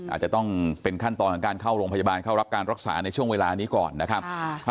อาจจะต้องเป็นขั้นตอนของการเข้าโรงพยาบาลเข้ารับการรักษาในช่วงเวลานี้ก่อนนะครับ